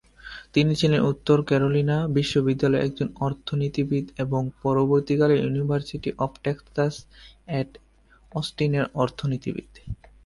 তিনি ছিলেন উত্তর ক্যারোলিনা বিশ্ববিদ্যালয়ের একজন অর্থনীতিবিদ এবং পরবর্তীকালে ইউনিভার্সিটি অব টেক্সাস অ্যাট অস্টিনের অর্থনীতিবিদ।